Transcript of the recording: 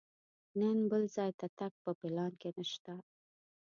نن بل ځای ته تګ په پلان کې نه شته.